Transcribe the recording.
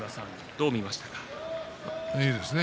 いいですね。